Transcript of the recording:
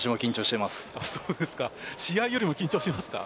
試合よりも緊張しますか？